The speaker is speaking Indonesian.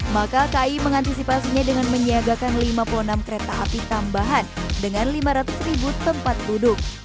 maka kai mengantisipasinya dengan menyiagakan lima puluh enam kereta api tambahan dengan lima ratus ribu tempat duduk